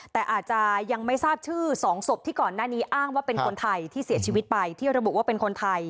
แต่อาจจะยังไม่ทราบชื่อ๒ศพที่ก่อนหน้านี้อ้างว่าเป็นคนไทยที่เสียชีวิตไปที่ระบุว่าเป็นคนไทย